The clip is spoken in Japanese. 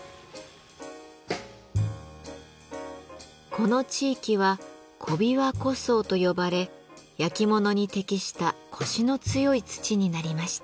この地域は古琵琶湖層と呼ばれ焼き物に適したコシの強い土になりました。